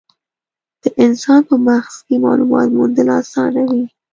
د انسان په مغز کې مالومات موندل اسانه وي.